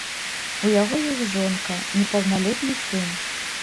У яго ёсць жонка, непаўналетні сын.